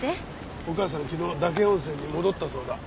お母さん昨日岳温泉に戻ったそうだ。